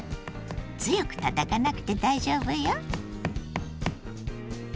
強くたたかなくて大丈夫よ。